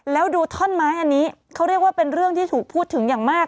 แล้วดูท่อนไม้อันนี้เขาเรียกว่าเป็นเรื่องที่ถูกพูดถึงอย่างมาก